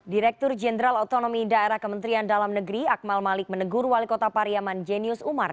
direktur jenderal otonomi daerah kementerian dalam negeri akmal malik menegur wali kota pariaman jenius umar